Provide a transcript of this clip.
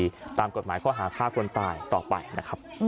และดำเนินคดีตามกฎหมายข้อหาค่าคนตายต่อไปนะครับ